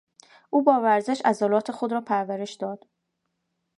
او با ورزش عضلات خود را پرورش داد.